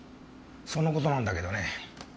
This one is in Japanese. その事なんだけどね